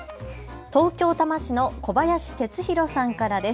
東京多摩市の小林哲大さんからです。